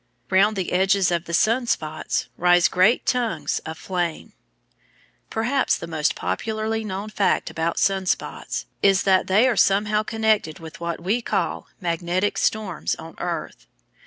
Round the edges of the sun spots rise great tongues of flame. Perhaps the most popularly known fact about sun spots is that they are somehow connected with what we call magnetic storms on earth.